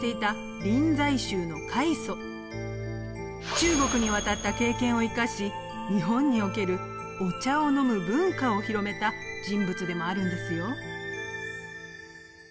中国に渡った経験を生かし日本におけるお茶を飲む文化を広めた人物でもあるんですよ。